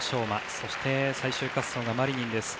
そして最終滑走がマリニンです。